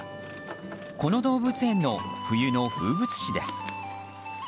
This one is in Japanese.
この動物園の冬の風物詩です。